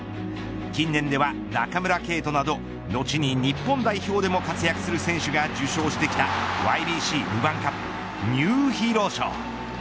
近年では中村敬斗など後に日本代表でも活躍する選手が受賞してきたＹＢＣルヴァンカップニューヒーロー賞。